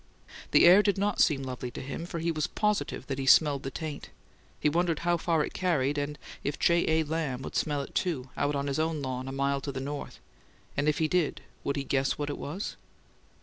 The air did not seem lovely to him, for he was positive that he detected the taint. He wondered how far it carried, and if J. A. Lamb would smell it, too, out on his own lawn a mile to the north; and if he did, would he guess what it was?